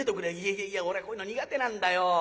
「いやいや俺はこういうの苦手なんだよ。